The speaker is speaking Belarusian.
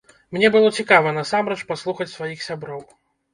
Мне было цікава насамрэч паслухаць сваіх сяброў.